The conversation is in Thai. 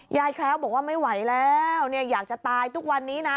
แคล้วบอกว่าไม่ไหวแล้วอยากจะตายทุกวันนี้นะ